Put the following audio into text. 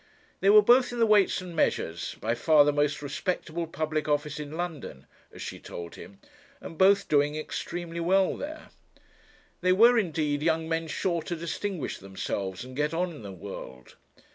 'They were both in the Weights and Measures, by far the most respectable public office in London,' as she told him, 'and both doing extremely well there. They were, indeed, young men sure to distinguish themselves and get on in the world.